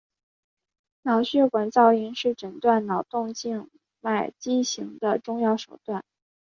脑血管造影是诊断脑动静脉畸形的重要手段。